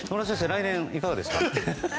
来年、いかがですか？